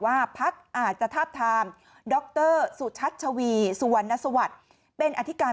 พักอาจจะทาบทามดรสุชัชวีสุวรรณสวัสดิ์เป็นอธิการ